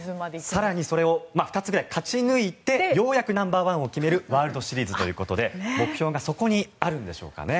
更にそれを２つぐらい勝ち抜いてようやくナンバーワンを決めるワールドシリーズということで目標がそこにあるんでしょうかね。